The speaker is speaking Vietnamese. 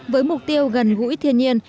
với mục tiêu gần gũi thiên nhiên